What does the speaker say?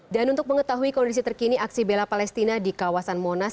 dan untuk mengetahui kondisi terkini aksi bela palestina di kawasan monas